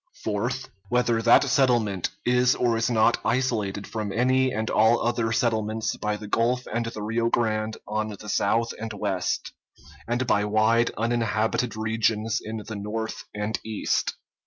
Fourth. Whether that settlement is or is not isolated from any and all other settlements by the Gulf and the Rio Grande on the south and west, and by wide uninhabited regions in the north and east.